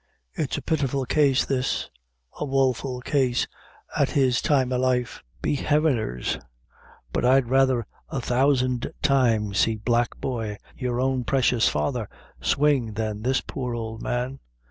It's a pitiful case, this a woful case at his time o' life. Be heaventhers, but I'd rather a thousand times see Black Boy, your own precious father, swing, than this poor ould man."